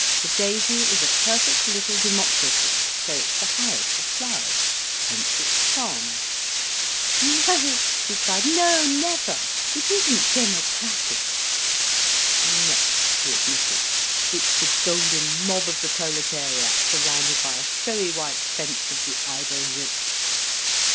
"The daisy is a perfect little democracy, so it's the highest of flowers, hence its charm." "No," she cried, "no—never. It isn't democratic." "No," he admitted. "It's the golden mob of the proletariat, surrounded by a showy white fence of the idle rich."